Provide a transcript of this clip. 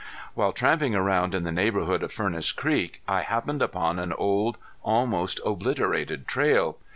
While tramping around in the neighborhood of Furnace Creek I happened upon an old almost obliterated trail.